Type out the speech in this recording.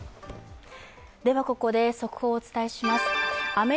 ではここで速報をお伝えします。